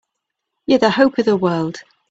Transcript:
You're the hope of the world!